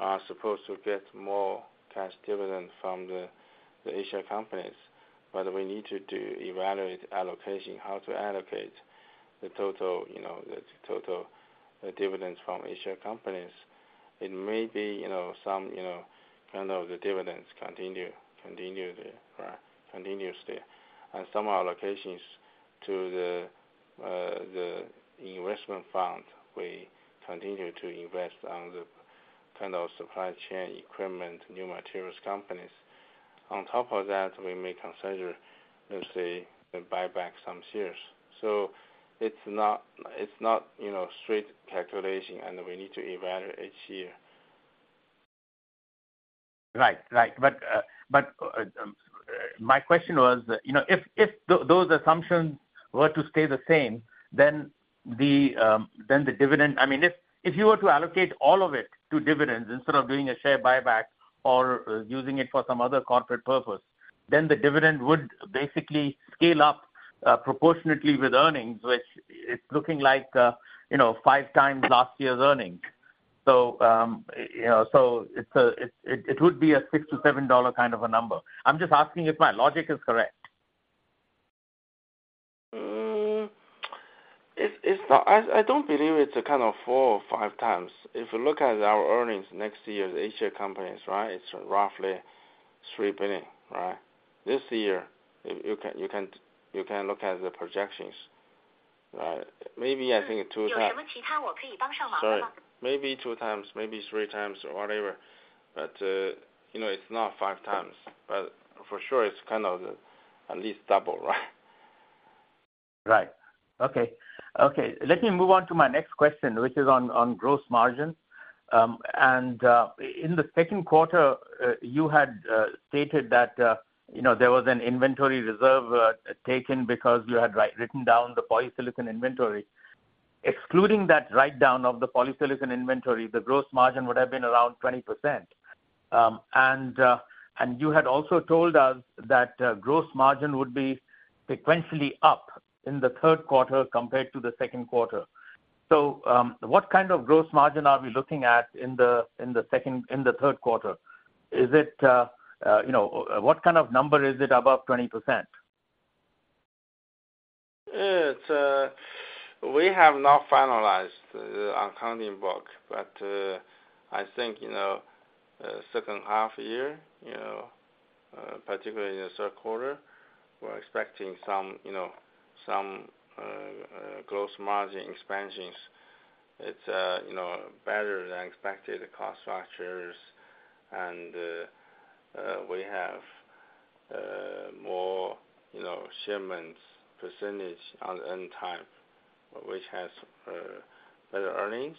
are supposed to get more cash dividends from the, the Asia companies, but we need to do evaluate allocation, how to allocate the total, you know, the total dividends from Asia companies. It may be, you know, some, you know, kind of the dividends continue, continue there, right, continuously. And some allocations to the, the investment fund, we continue to invest on the kind of supply chain equipment, new materials companies. On top of that, we may consider, let's say, to buy back some shares. So it's not, it's not, you know, straight calculation, and we need to evaluate each year. Right. Right. But, but, my question was, you know, if, if those assumptions were to stay the same, then the, then the dividend... I mean, if, if you were to allocate all of it to dividends instead of doing a share buyback or using it for some other corporate purpose, then the dividend would basically scale up, proportionately with earnings, which it's looking like, you know, 5x last year's earnings. So, you know, so it's a, it, it would be a $6-$7 kind of a number. I'm just asking if my logic is correct. It's not a kind of 4x or 5x. If you look at our earnings next year, the Asia companies, right, it's roughly $3 billion, right? This year, you can look at the projections, right? Maybe I think 2x. Sorry, maybe 2x, maybe 3x or whatever, but you know, it's not 5x. But for sure, it's kind of at least double, right? Right. Okay. Okay, let me move on to my next question, which is on gross margin. In the second quarter, you had stated that you know, there was an inventory reserve taken because you had written down the polysilicon inventory. Excluding that write-down of the polysilicon inventory, the gross margin would have been around 20%. And you had also told us that gross margin would be sequentially up in the third quarter compared to the second quarter. So, what kind of gross margin are we looking at in the third quarter? Is it you know, what kind of number is it above 20%? It's, we have not finalized the accounting book, but, I think, you know, second half year, you know, particularly in the third quarter, we're expecting some, you know, some, gross margin expansions.... It's, you know, better than expected cost structures, and, we have, more, you know, shipments percentage on N-type, which has, better earnings,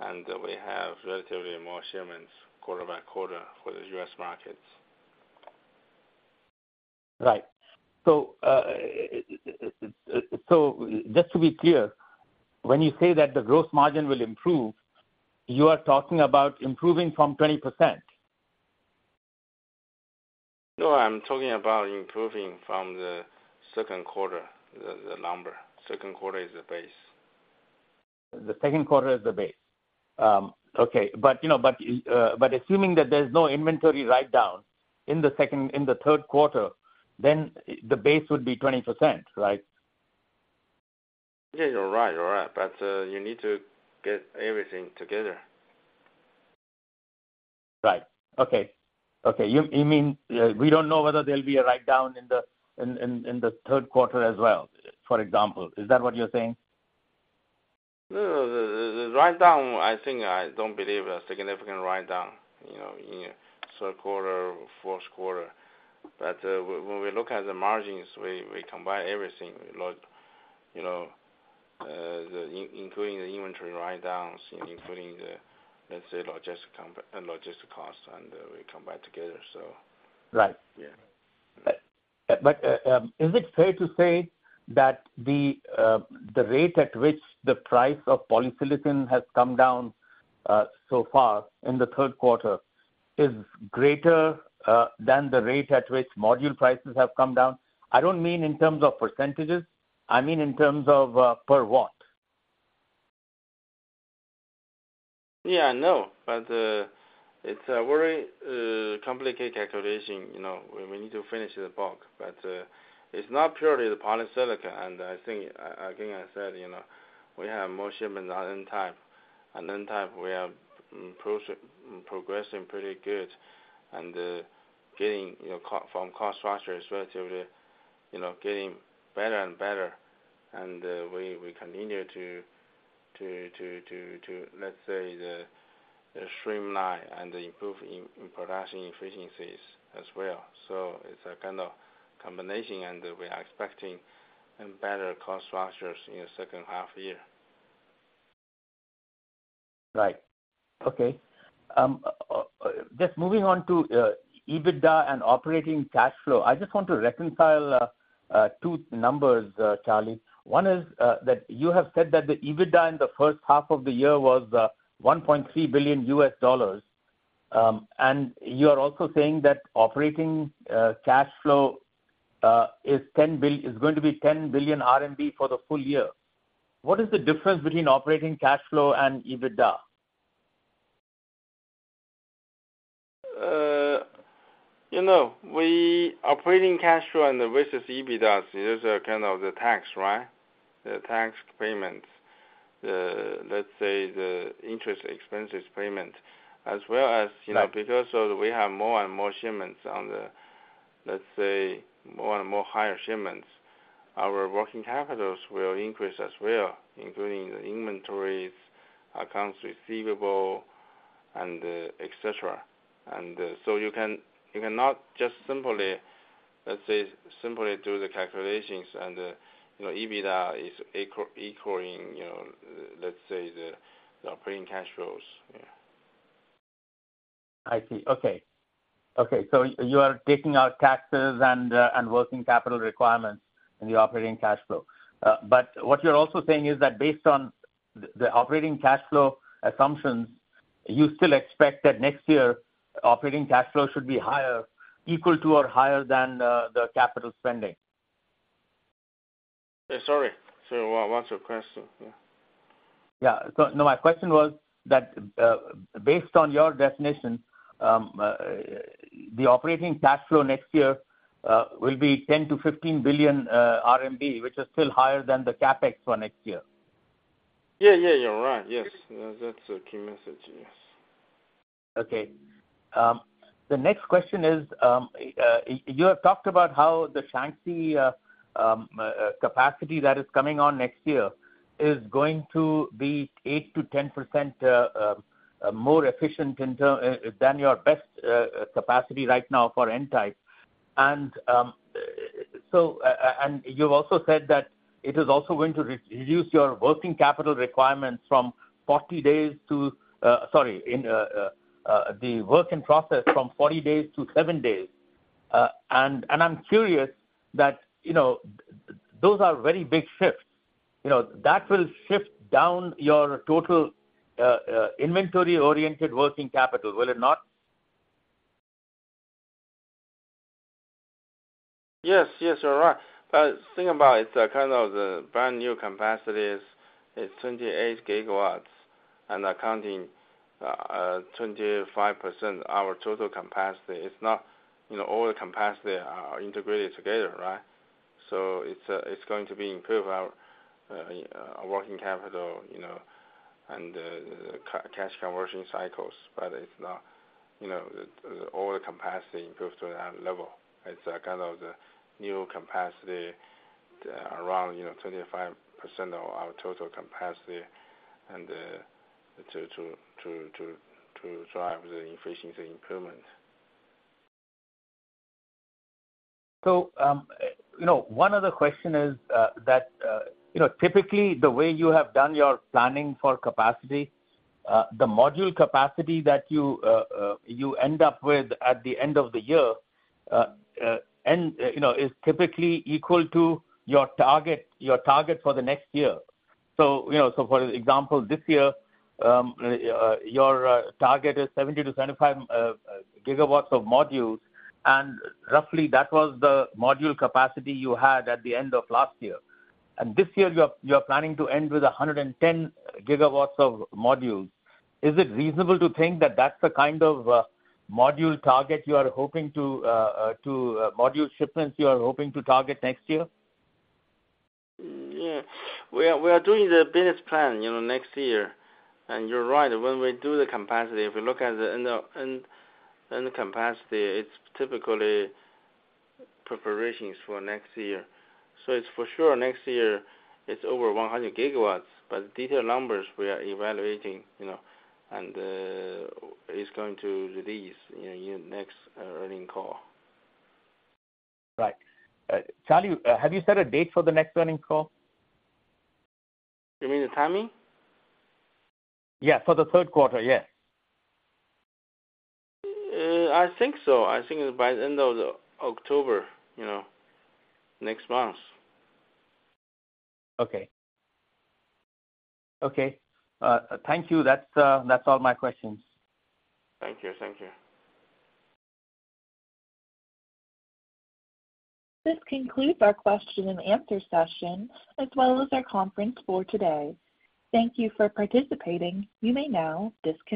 and we have relatively more shipments quarter by quarter for the US markets. Right. So, just to be clear, when you say that the gross margin will improve, you are talking about improving from 20%? No, I'm talking about improving from the second quarter, the number. Second quarter is the base. The second quarter is the base. Okay, but, you know, but assuming that there's no inventory write-down in the second—in the third quarter, then the base would be 20%, right? Yeah, you're right. You're right, but you need to get everything together. Right. Okay. Okay, you mean we don't know whether there'll be a write-down in the third quarter as well, for example, is that what you're saying? No, the write-down, I think I don't believe a significant write-down, you know, in third quarter or fourth quarter. But, when we look at the margins, we combine everything like, you know, including the inventory write-downs, including the, let's say, logistic cost, and we combine together, so. Right. Yeah. Is it fair to say that the rate at which the price of polysilicon has come down so far in the third quarter is greater than the rate at which module prices have come down? I don't mean in terms of percentages. I mean in terms of per watt. Yeah, I know, but it's a very complicated calculation, you know. We need to finish the bulk, but it's not purely the polysilicon, and I think, again, I said, you know, we have more shipments on N-type. On N-type, we are progressing pretty good and getting, you know, cost structures relatively, you know, getting better and better, and we continue to, let's say, streamline and improve in production efficiencies as well. So it's a kind of combination, and we are expecting better cost structures in the second half year. Right. Okay. Just moving on to EBITDA and operating cash flow. I just want to reconcile two numbers, Charlie. One is that you have said that the EBITDA in the first half of the year was $1.3 billion. You are also saying that operating cash flow is going to be 10 billion RMB for the full year. What is the difference between operating cash flow and EBITDA? You know, we operating cash flow and versus EBITDA, is a kind of the tax, right? The tax payments, the, let's say, the interest expenses payment, as well as, you know- Right... because of we have more and more shipments on the, let's say, more and more higher shipments, our working capitals will increase as well, including the inventories, accounts receivable, and et cetera. And so you can, you cannot just simply, let's say, simply do the calculations and, you know, EBITDA is equaling, you know, let's say, the operating cash flows. Yeah. I see. Okay. Okay, so you are taking out taxes and, and working capital requirements in the operating cash flow. But what you're also saying is that based on the, the operating cash flow assumptions, you still expect that next year, operating cash flow should be higher, equal to or higher than, the capital spending? Sorry. So what's your question? Yeah. Yeah. So, no, my question was that, based on your definition, the operating cash flow next year will be 10 billion-15 billion RMB, which is still higher than the CapEx for next year. Yeah, yeah, you're right. Yes. That's the key message, yes. Okay. The next question is, you have talked about how the Shanxi capacity that is coming on next year is going to be 8%-10% more efficient than your best capacity right now for N-type. And, so, and you've also said that it is also going to reduce your working capital requirements from 40 days to, sorry, in the work in process from 40 days to 7 days. And, and I'm curious that, you know, those are very big shifts. You know, that will shift down your total inventory-oriented working capital, will it not? Yes, yes, you're right. But think about it, it's a kind of the brand-new capacities. It's 28 GW and accounting 25% our total capacity. It's not, you know, all the capacity are integrated together, right? So it's going to be improve our our working capital, you know, and cash conversion cycles, but it's not, you know, the all the capacity improves to another level. It's kind of the new capacity around, you know, 25% of our total capacity, and to drive the efficiency improvement. So, you know, one other question is, that, you know, typically the way you have done your planning for capacity, the module capacity that you, you end up with at the end of the year, and, you know, is typically equal to your target, your target for the next year. So, you know, so for example, this year, your, target is 70-75 GW of modules, and roughly that was the module capacity you had at the end of last year. And this year, you are, you are planning to end with 110 GW of modules. Is it reasonable to think that that's the kind of, module target you are hoping to, to, module shipments you are hoping to target next year? Yeah. We are doing the business plan, you know, next year. You're right, when we do the capacity, if we look at the end capacity, it's typically preparations for next year. So it's for sure next year, it's over 100 GW, but detailed numbers we are evaluating, you know, and it's going to release in next earnings call. Right. Charlie, have you set a date for the next earnings call? You mean the timing? Yeah, for the third quarter, yes. I think so. I think by the end of October, you know, next month. Okay. Okay, thank you. That's, that's all my questions. Thank you. Thank you. This concludes our question and answer session, as well as our conference for today. Thank you for participating. You may now disconnect.